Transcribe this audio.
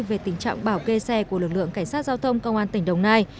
về tình trạng bảo kê xe của lực lượng cảnh sát giao thông công an tỉnh đồng nai